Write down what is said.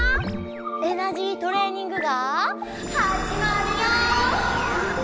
「エナジートレーニング」がはじまるよ！